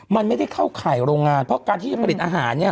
มันไม่ได้เข้าข่ายโรงงานเพราะการที่จะผลิตอาหารเนี่ย